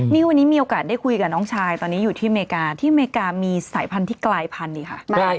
นี่วันนี้มีโอกาสได้คุยกับน้องชายตอนนี้อยู่ที่อเมริกาที่อเมริกามีสายพันธุ์ที่กลายพันธุ์ดีค่ะ